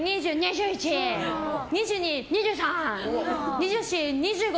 ２４、２５。